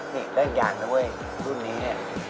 นี่เล่นอย่างนะเว้ยรูปนี้เนี่ย